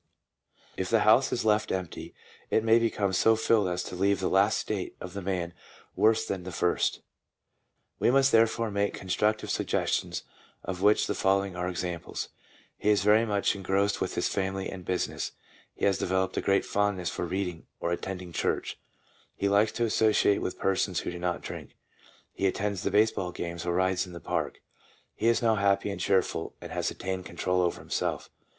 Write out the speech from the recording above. If the house is left empty, it may become so filled as to leave the last state of the man worse than the first. We must therefore make constructive sug gestions, of which the following are examples: — He is very much engrossed with his family and business, he has developed a great fondness for reading or attending church, he likes to associate with persons who do not drink, he attends the baseball games or rides in the park. He is now happy and cheerful, and has attained control over himself.